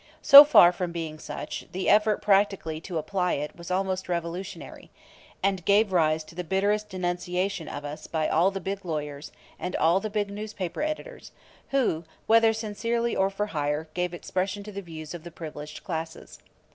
So far from being such, the effort practically to apply it was almost revolutionary, and gave rise to the bitterest denunciation of us by all the big lawyers, and all the big newspaper editors, who, whether sincerely or for hire, gave expression to the views of the privileged classes.